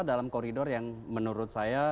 dalam koridor yang menurut saya